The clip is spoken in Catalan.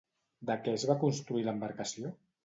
De què es va construir l'embarcació?